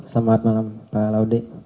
selamat malam pak laude